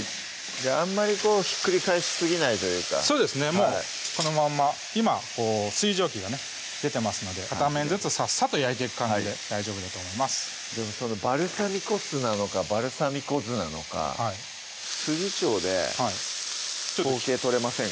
あんまりひっくり返しすぎないというかそうですねもうこのまんま今水蒸気がね出てますので片面ずつさっさと焼いてく感じで大丈夫だと思いますでもバルサミコ酢なのかバルサミコ酢なのか調で統計取れませんか？